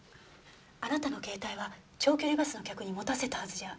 あなたの携帯は長距離バスの客に持たせたはずじゃ。